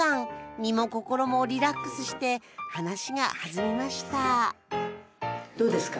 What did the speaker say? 身も心もリラックスして話が弾みましたどうですか？